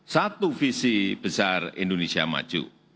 satu visi besar indonesia maju